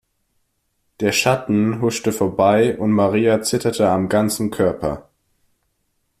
Der Schatten huschte vorbei und Maria zitterte am ganzen Körper.